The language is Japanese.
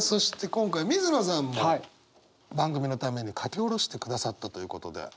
今回水野さんも番組のために書き下ろしてくださったということで。